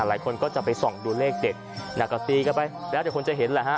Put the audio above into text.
หลายคนก็จะไปส่องดูเลขเด็ดก็ตีกันไปแล้วแต่คนจะเห็นแหละฮะ